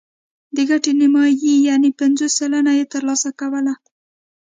د ګټې نیمايي یعنې پنځوس سلنه یې ترلاسه کوله.